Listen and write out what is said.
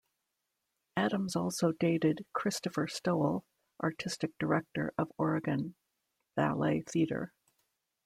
Adams also dated Christopher Stowell, artistic director of Oregon Ballet Theatre.